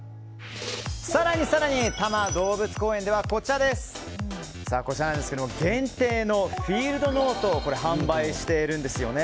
更に、多摩動物公園では限定のフィールドノートを販売しているんですよね。